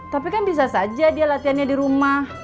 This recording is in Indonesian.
tapi kan bisa saja dia latihannya di rumah